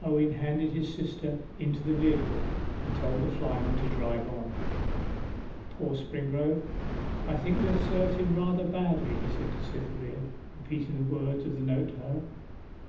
Owen handed his sister into the vehicle, and told the flyman to drive on. 'Poor Springrove I think we have served him rather badly,' he said to Cytherea, repeating the words of the note to her.